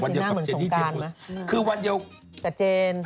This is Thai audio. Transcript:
สิหน้าเหมือนสงการไหม